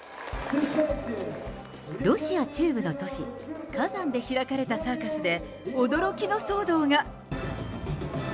ロシア中部の都市、カザンで開かれたサーカスで、驚きの騒動が。